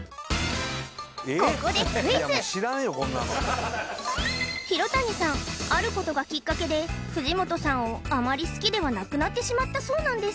ここでクイズ廣谷さんあることがきっかけで藤本さんをあまり好きではなくなってしまったそうなんです